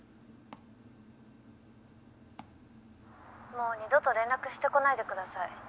もう二度と連絡してこないでください。